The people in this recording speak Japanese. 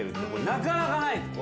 なかなかない。